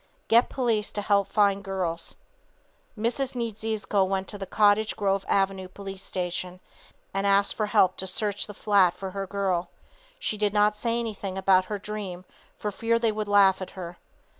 GET POLICE TO HELP FIND GIRLS. Mrs. Niedziezko went to the Cottage Grove avenue Police Station, and asked for help to search the flat for her girl. She did not say anything about her dream for fear they would laugh at her.